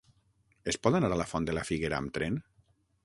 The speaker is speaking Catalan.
Es pot anar a la Font de la Figuera amb tren?